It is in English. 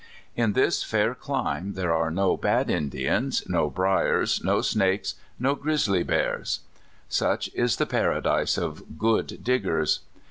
In this fair clime there are no bad Indians, no briers, no snakes, no grizzly bears. Such is the paradise of good Diggers.